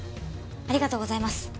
ありがとうございます。